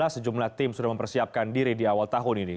sejumlah tim sudah mempersiapkan diri di awal tahun ini